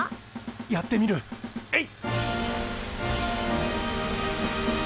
やってみるえいっ！